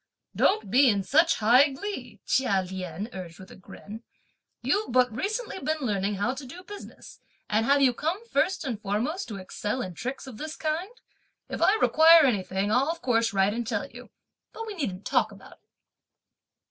"Don't be in such high glee!" Chia Lien urged with a grin, "you've but recently been learning how to do business, and have you come first and foremost to excel in tricks of this kind? If I require anything, I'll of course write and tell you, but we needn't talk about it."